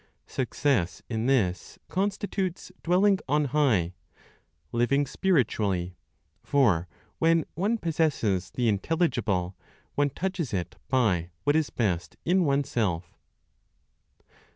Success in this constitutes "dwelling on high" (living spiritually); for, when one possesses the intelligible, one touches it by what is best in oneself.